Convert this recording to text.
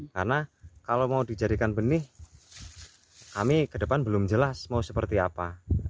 karena kalau mau dijadikan benih kami ke depan belum jelas mau seperti apa